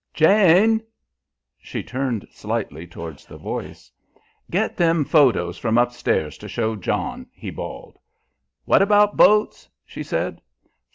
"Jane!" She turned slightly towards the voice. "Get them photos from upstairs to show John," he bawled. "What about boats?" she said.